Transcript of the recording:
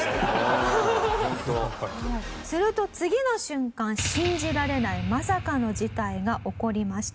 すると次の瞬間信じられないまさかの事態が起こりました。